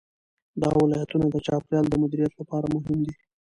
دا ولایتونه د چاپیریال د مدیریت لپاره مهم دي.